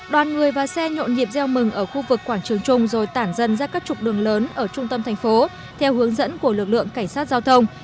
đoàn người và xe nhộn nhịp gieo mừng ở khu vực quảng trường trung rồi tản dân ra các trục đường lớn ở trung tâm thành phố theo hướng dẫn của lực lượng cảnh sát giao thông